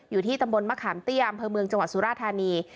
อยู่ที่ตำบลมะขามเตี้ยอำเภอเมืองจังหวัดสุราธานี